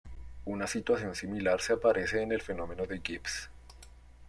Una situación similar se aparece en el fenómeno de Gibbs.